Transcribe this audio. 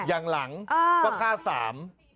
อย่างหลังก็ฆ่าสาม